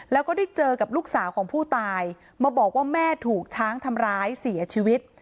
แล้วก็ได้เจอกับลูกสาวของผู้ตายมาบอกว่าแม่ถูกช้างทำร้ายเสียชีวิต